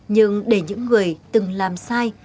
nhưng để những người từng làm sai